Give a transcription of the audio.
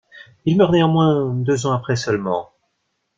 Il meurt néanmoins deux ans après seulement.